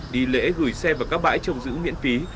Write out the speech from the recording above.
đi lễ gửi xe vào các bãi trồng giữ miễn phí